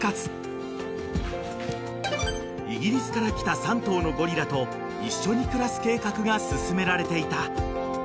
［イギリスから来た３頭のゴリラと一緒に暮らす計画が進められていた］